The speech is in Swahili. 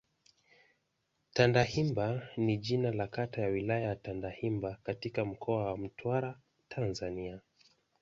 Tandahimba ni jina la kata ya Wilaya ya Tandahimba katika Mkoa wa Mtwara, Tanzania.